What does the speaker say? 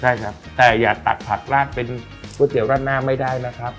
ใช่ครับแต่อย่าตักผักราดเป็นก๋วยเตี๋ยราดหน้าไม่ได้นะครับ